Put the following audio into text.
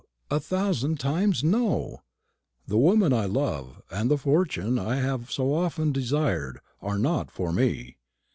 a thousand times no! The woman I love, and the fortune I have so often desired, are not for me.